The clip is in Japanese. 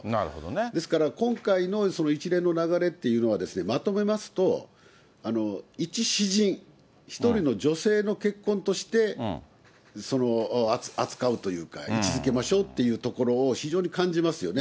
ですから、今回の一連の流れというのは、まとめますと、一私人、１人の女性の結婚として扱うというか、位置づけましょうっていうところを非常に感じますよね。